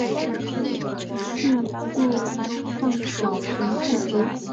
并入邓小平故居。